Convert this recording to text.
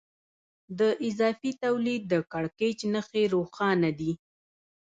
د اضافي تولید د کړکېچ نښې روښانه دي